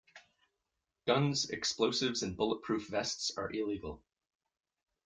Guns, explosives and bulletproof vests are illegal.